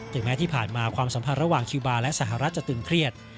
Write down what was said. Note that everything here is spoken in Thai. แม้ที่ผ่านมาความสัมพันธ์ระหว่างคิวบาร์และสหรัฐจะตึงเครียด